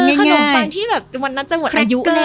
ขนมปังที่มันน่าจะหมดอายุแล้ว